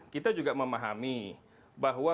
kita juga memahami bahwa